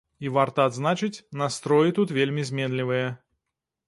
І, варта адзначыць, настроі тут вельмі зменлівыя.